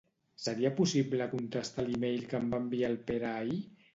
Seria possible contestar l'e-mail que em va enviar el Pere ahir?